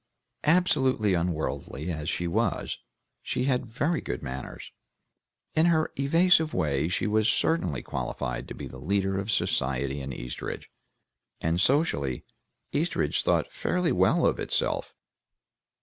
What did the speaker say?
Absolutely unworldly as she was, she had very good manners; in her evasive way she was certainly qualified to be the leader of society in Eastridge, and socially Eastridge thought fairly well of itself.